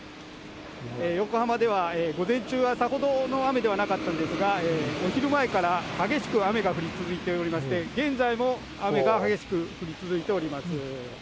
横浜では午前中はさほどの雨ではなかったんですが、お昼前から激しく雨が降り続いておりまして、現在も雨が激しく降り続いております。